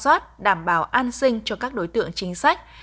trong việc ra soát đảm bảo an sinh cho các đối tượng chính sách